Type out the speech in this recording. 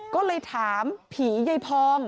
ก็เลยถามผีไยพร้อม